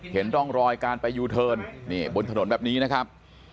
เห็นร่องรอยการไปยูเทิร์นนี่บนถนนแบบนี้นะครับ